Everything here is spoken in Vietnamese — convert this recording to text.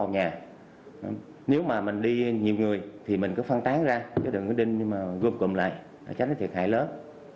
nhiều người thì mình có phân tán ra chứ đừng có đinh mà gồm cùm lại chắc nó thiệt hại lớn